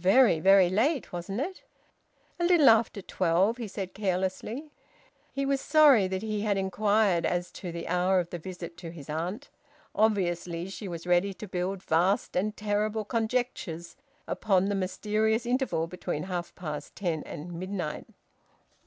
Very, very late, wasn't it?" "A little after twelve," he said carelessly. He was sorry that he had inquired as to the hour of the visit to his aunt. Obviously she was ready to build vast and terrible conjectures upon the mysterious interval between half past ten and midnight.